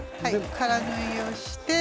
空縫いをして。